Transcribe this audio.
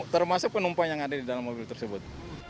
termasuk penumpang yang ada di dalam mobil tersebut